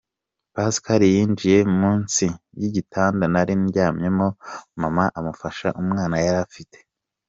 Pascal yinjiye munsi y’igitanda nari ndyamyemo, mama amufasha umwana yari afite.